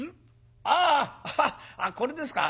ああこれですか。